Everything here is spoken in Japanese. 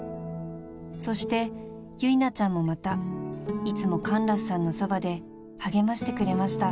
［そして由奈ちゃんもまたいつもカンラスさんのそばで励ましてくれました］